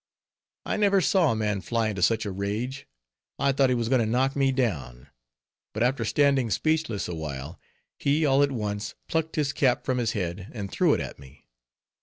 I never saw a man fly into such a rage; I thought he was going to knock me down; but after standing speechless awhile, he all at once plucked his cap from his head and threw it at me.